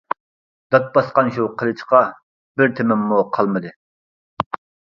دات باسقان شۇ قىلىچقا، بىر تېمىممۇ قالمىدى.